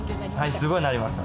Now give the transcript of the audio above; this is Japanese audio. すごいなりました。